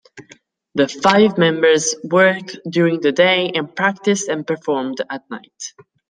The five members worked during the day and practiced and performed at night.